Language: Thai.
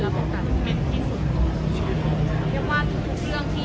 ที่มันผ่านมาเป็นคำแบบการรัมไป